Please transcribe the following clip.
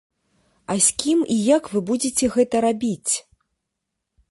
А з кім і як вы будзеце гэта рабіць?